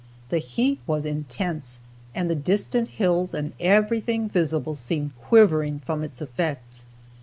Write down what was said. The heat was intense and the distant hills and everything visible seemed quivering from its effects.